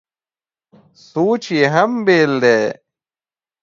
سوچ یې هم بېل دی.